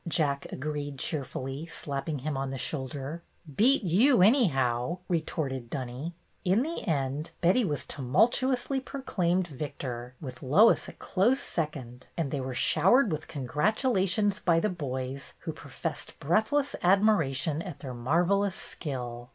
Jack agreed cheer fully, slapping him on the shoulder. " Beat you, anyhow," retorted Dunny. In the end Betty was tumultuously pro claimed victor, with Lois a close second, and THE MAY DAY GAMES 87 they were showered with congratulations by the boys, who professed breathless admiration at their marvellous skill.